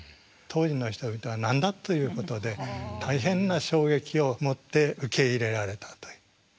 当時の人々は「何だ？」ということで大変な衝撃をもって受け入れられたという。